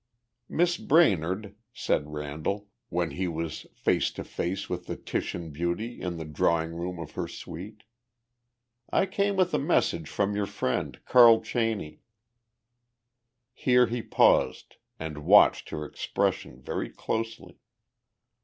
"Miss Brainerd," said Randall, when he was face to face with the Titian beauty in the drawing room of her suite, "I came with a message from your friend, Carl Cheney." Here he paused and watched her expression very closely.